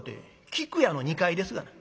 菊屋の２階ですがな」。